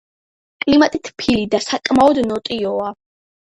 კლიმატი თბილი და საკმაოდ ნოტიოა.